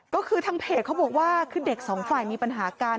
ก็คือทางเพจเขาบอกว่าคือเด็กสองฝ่ายมีปัญหากัน